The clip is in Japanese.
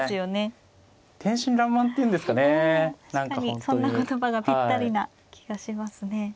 確かにそんな言葉がぴったりな気がしますね。